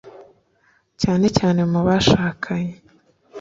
cyane cyane mu bashakanye